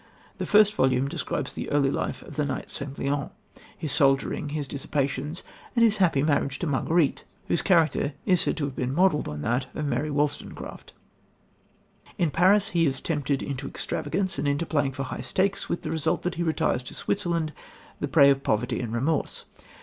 The first volume describes the early life of the knight St. Leon, his soldiering, his dissipations, and his happy marriage to Marguerite, whose character is said to have been modelled on that of Mary Wollstonecraft. In Paris he is tempted into extravagance and into playing for high stakes, with the result that he retires to Switzerland the "prey of poverty and remorse."